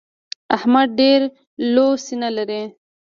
احمد ډېره لو سينه لري.